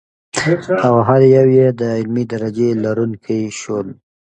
او هر یو یې د علمي درجې لرونکي شول.